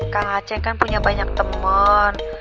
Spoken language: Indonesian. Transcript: kang aceng kan punya banyak temen